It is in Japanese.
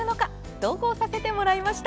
同行させてもらいました。